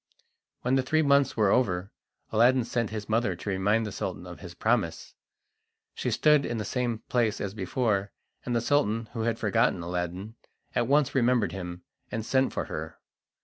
When the three months were over, Aladdin sent his mother to remind the Sultan of his promise. She stood in the same place as before, and the Sultan, who had forgotten Aladdin, at once remembered him, and sent for her.